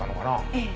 ええ。